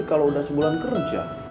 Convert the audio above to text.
kalau udah sebulan kerja